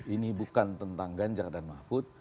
ini bukan tentang ganjar dan mahfud